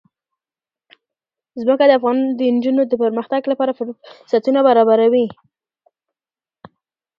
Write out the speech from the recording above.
ځمکه د افغان نجونو د پرمختګ لپاره فرصتونه برابروي.